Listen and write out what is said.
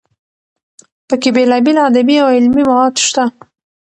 پکې بېلابېل ادبي او علمي مواد شته.